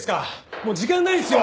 もう時間ないんですよ！